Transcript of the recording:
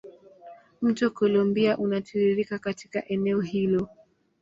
Mto Columbia unatiririka katika eneo hilo.